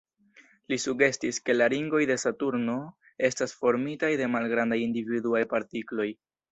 Li sugestis, ke la ringoj de Saturno estas formitaj de malgrandaj individuaj partikloj.